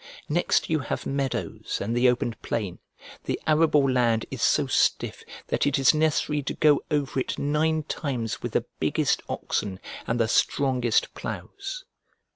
Next you have meadows and the open plain. The arable land is so stiff that it is necessary to go over it nine times with the biggest oxen and the strongest ploughs.